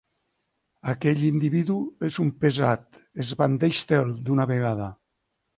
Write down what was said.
Aquell individu és un pesat: esbandeix-te'l d'una vegada.